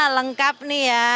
lengkap nih ya